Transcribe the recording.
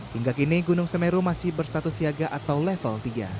hingga kini gunung semeru masih berstatus siaga atau level tiga